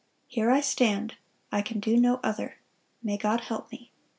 Here I stand, I can do no other; may God help me.